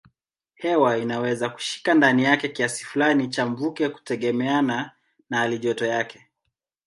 Hewa inaweza kushika ndani yake kiasi fulani cha mvuke kutegemeana na halijoto yake.